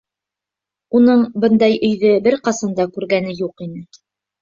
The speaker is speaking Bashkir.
Уның бындай өйҙө бер ҡасан да күргәне юҡ ине.